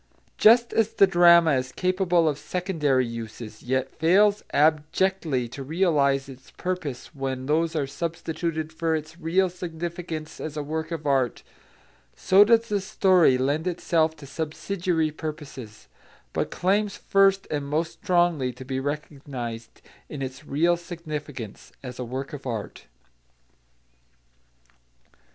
Just as the drama is capable of secondary uses, yet fails abjectly to realise its purpose when those are substituted for its real significance as a work of art, so does the story lend itself to subsidiary purposes, but claims first and most strongly to be recognised in its real significance as a work of art.